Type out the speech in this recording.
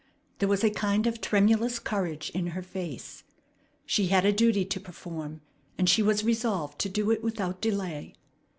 There was a kind of tremulous courage in her face. She had a duty to perform, and she was resolved to do it without delay.